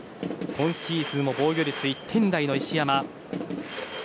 今シーズンも防御率１点台の石山。